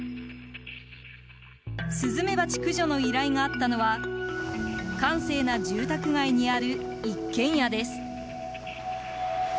スズメバチ駆除の依頼があったのは閑静な住宅街にある一軒家です。